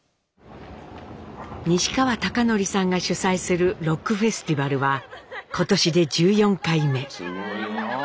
西川貴教さんが主催するロックフェスティバルは今年で１４回目。